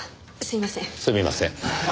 すみません。